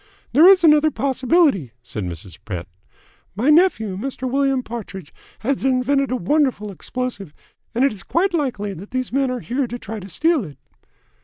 "There is another possibility," said Mrs. Pett. "My nephew, Mr. William Partridge, had invented a wonderful explosive, and it is quite likely that these men are here to try to steal it."